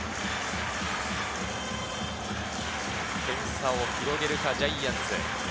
点差を広げるか、ジャイアンツ。